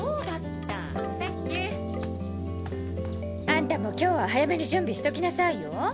あんたも今日は早めに準備しときなさいよ。